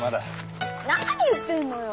何言ってんのよ。